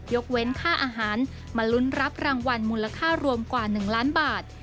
เว้นค่าอาหารมาลุ้นรับรางวัลมูลค่ารวมกว่า๑ล้านบาท